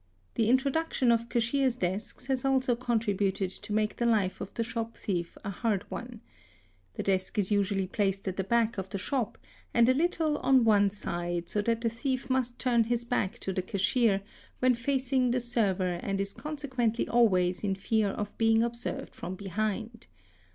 The introduction of cashier's desks has also contributed to make the life of the shop thief a hard one. 'The desk is usually placed at the back of the shop and a little on one side, so that the thief must turn his back to the cashier when facing the server and is consequently always in fear of being observed from behind.